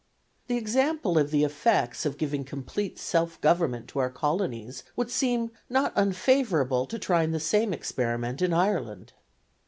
The example of the effects of giving complete self government to our Colonies would seem not unfavourable to trying the same experiment in Ireland.